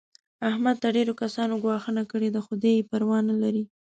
احمد ته ډېرو کسانو ګواښونه کړي دي. خو دی یې پروا نه لري.